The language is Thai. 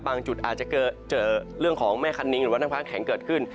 จุดอาจจะเจอเรื่องของแม่คันนิ้งหรือว่าน้ำค้างแข็งเกิดขึ้น